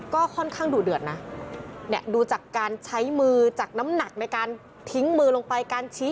ก็ค่อนข้างดุเดือดนะเนี่ยดูจากการใช้มือจากน้ำหนักในการทิ้งมือลงไปการชี้